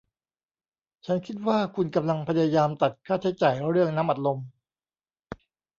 ฉันคิดว่าคุณกำลังพยายามตัดค่าใช้จ่ายเรื่องน้ำอัดลม